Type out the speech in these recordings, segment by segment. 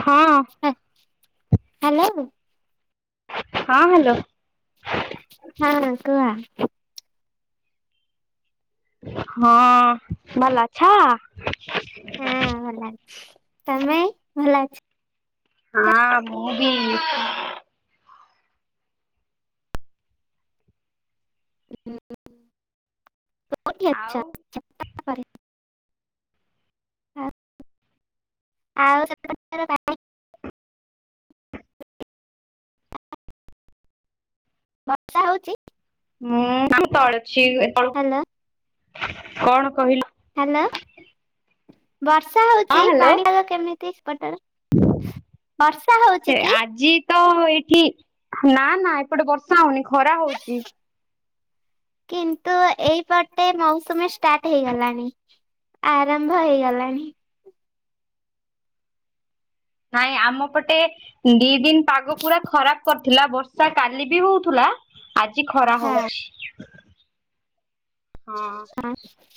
ହଁ ହାଲୋ। ହଁ ହାଲୋ। ହଁ କୁହ। ହଁ ଭଲଅଛ। ଭଲ ଅଛି ତମେ ଭଲ ଅଛି। ହଁ ମୁଁବିି ଆଉ [unintelligible] ଉପରେ। ଆଉ [unintelligible] ବର୍ଷା ହଉଚି। ମୁଁ [unintelligible] ତଳେ ଛିଉଏ। ହାଲୋ। କଣ କହିଲୁ? ହାଲୋ ବର୍ଷା ହଁ ହଉଚି ହ୍ୟାଲୋ ପାଣିପାଗ କେମିତି ସେପଟରେ। ସେ କି? ଆଜିତ ତ ଏଇଠି ନାଁ ନାଁ ଏପଟେ ବର୍ଷା ହଉନି ଖରା ହଉଚି। କିନ୍ତୁ ଏଇପଟେ ମୌସୁମୀ ଷ୍ଟାଟ ହେଇଗଲାଣି। ଆରମ୍ଭ ହେଇଗଲାଣି। ନାଇଁ ଆମ ପଟେ ଦି ଦିନି ପାଗ ପୁରା ଖରାପ କରି ଥିଲା ବର୍ଷା କାଲିବି ହଉଥିଲା ଆଜି ଖରା ହଁ ହଉଛି। ହଁ [inaudible]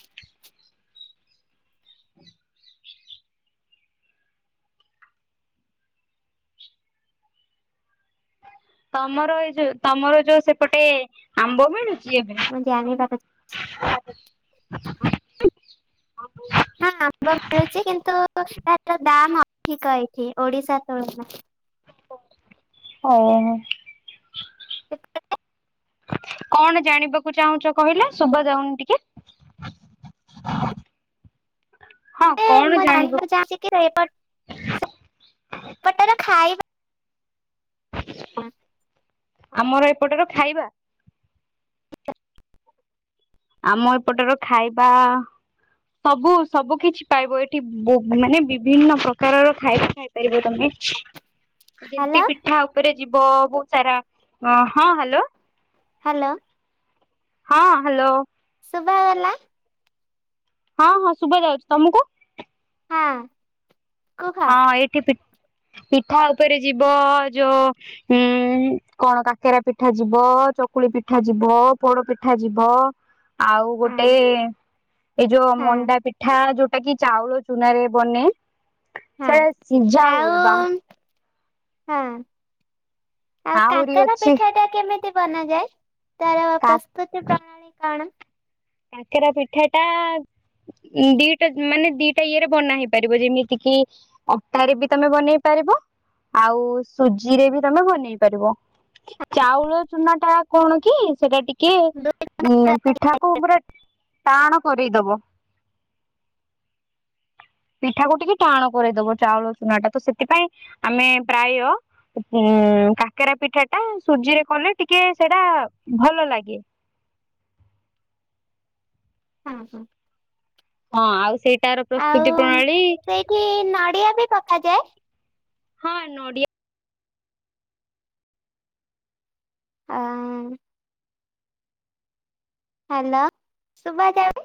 ତମର ଏଇ ଯୋଉ ତମର ଯୋଉ ସେପଟେ ଆମ୍ବ ମିଳୁଚି ଏବେ। ମୁଁ ଜାଣି [unintelligible] [inaudible] ହଁ ଆମ୍ବ ମିଳୁଚି କିନ୍ତୁ ତାର ଦାମ ଅଧିକ ଏଇଠି ଓଡିଶା ତୁଳନା ଓହୋ। [unintelligible] କଣ ଜାଣିବାକୁ ଚାହୁଁଚ କହିଲେ ଶୁଭା ଯାଉନି ଟିକେ? [unintelligible] ହଁ ଏ କଣ ମୁଁ ଜାଣିବୁ ଜାଣିବାକୁ ଚାହୁଁଚିକି [unintelligible] ସେପଟରେ ଖାଇବା ଆଁ। ଆମର ଏପଟର ଖାଇବା ଆମ ଏପଟର ଖାଇବା ସବୁ ସବୁ କିଛି ପାଇବ ଏଠି ବୋ ମାନେ ବିଭିନ୍ନ ପ୍ରକାରର ଖାଇବା ଖାଇପାରିବ ତମେ। ହ୍ୟାଲୋ ଯେମିତି ପିଠା ଉପରେ ଯିବ ବହୁତ ସାରା ଅ ହଁ ହାଲୋ। ହାଲୋ। ହଁ ଅଁ ହ୍ୟାଲୋ ଶୁଭା ଗଲା ହଁ ହଁ ଶୁଭା ଯାଉଛି ତମକୁ? ହଁ ଅଁ ହଁ ଏଇଠି ପିଠା ଉପରେ ଯିବ ଯଉ ହୁଁ କଣ କାକେରା ପିଠା ଯିବ ଚକୁଳି ପିଠା ଯିବ ପୋଡ ପିଠା ଯିବ। ଆଉ ହଁ ଗୋଟେ ଏଇ ଯୋଉ ହଁ ମଣ୍ଡା ପିଠା ଯୋଉ ଯୋଉଟା କି ଚାଉଳ ଚୁନାରେ ବନେ ହାଁ ସେଟା ସିଝା ଆଉ ହୁଏ ବା ଉ ହଁ ଆଉ ଆହୁରି କାକେରା ଅଛି ପିଠା ଟା କେମିତି ବନାଯାଏ? ତାର କା ପ୍ରସ୍ତୁତି ପ୍ରଣାଳୀ କଣ? କାକେରା ପିଠା ଟା ଦିଟା ମାନେ ଦିଟା ଇଏରେ ବନା ହେଇ ପାରିବ ଯେମିତି କି ଅଟା ରେ ବି ତମେ ବନେଇ ପାରିବ ଆଉ ସୁଜିରେ ବି ତମେ ବନେଇ ପାରିବ। ଚାଉଳ ଚୁନା ଟା କଣ କି ସେଟା ଟିକେ ଦୁ ଉଁ ପିଠା କୁ ପୁରା ଟାଆଣ କରେଇଦବ ପିଠାକୁ ଟିକେ ଟାଆଣ କରେଇଦବ ଚାଉଳ ଚୁନା ଟା ତ ସେଥିପାଇଁ ଆମେ ପ୍ରାୟ ହୁଁ ଉଁ କାକେରା ପିଠା ଟା ସୁଜିରେ କଲେ ଟିକେ ସେଇଟା ଭଲ ଲାଗେ। ହଁ ହଁ ହଁ ଆଉ ସେଇଟାର ପ୍ରସ୍ତୁତି ପ୍ରଣାଳୀ କି ନଡ଼ିଆ ବି ପକାଯାଏ? ହଁ ଅଁ ନଡ଼ିଆ ଅଁ ମ ହ୍ୟାଲୋ ଶୁଭା ଯାଉ